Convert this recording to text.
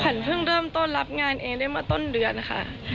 ขวัญเพิ่งเริ่มรับงานเองได้เมื่อต้นเดือนค่ะ